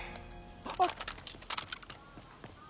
あっ！